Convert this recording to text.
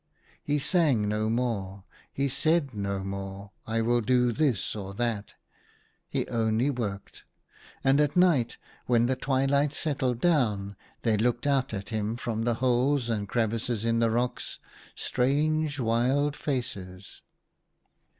He sang no more ; he said no more, " I will do this or that "— he only worked. And at night, 46 THE HUNTER. when the twilight settled down, there looked out at him from the holes and crevices in the rocks strange wild faces.